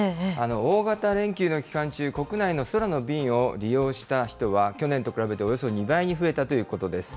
大型連休の期間中、国内の空の便を利用した人は、去年と比べておよそ２倍に増えたということです。